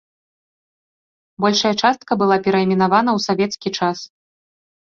Большая частка была перайменавана ў савецкі час.